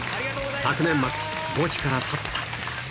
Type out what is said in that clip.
昨年末、ゴチから去った。